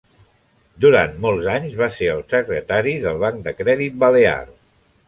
Durant molts d'anys va ser el secretari del Banc de Crèdit Balear.